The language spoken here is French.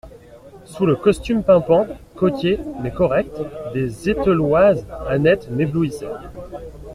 Sous le costume pimpant, coquet, mais correct, des Eteloises, Annette m'éblouissait.